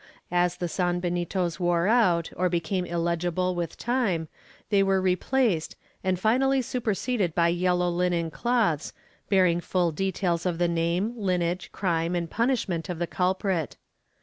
As the sanbenitos wore out or became illegible with time, they were replaced, and finally superseded by yellow linen cloths, bearing full details of the name, lineage, crime and punishment of the culprit.